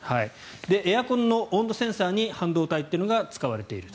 エアコンの温度センサーに半導体が使われている。